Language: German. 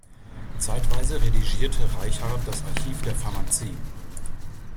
Zeitweise redigierte Reichardt das "Archiv der Pharmacie".